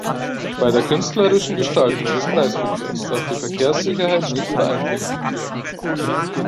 Bei der künstlerischen Gestaltung des Kreisverkehrs darf die Verkehrssicherheit nicht beeinträchtigt werden.